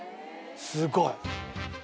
すごい。